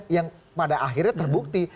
yang pada akhirnya terbukti